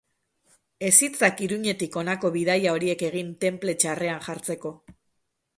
Ez itzak Iruñetik honako bidaia horiek egin tenple txarrean jartzeko.